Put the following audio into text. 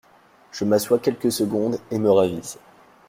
Je m’assois quelques secondes et me ravise.